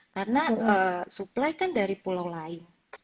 karena supply kan dari pulau lain